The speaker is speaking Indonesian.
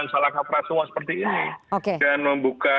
salah kaprah semua seperti ini dan membuka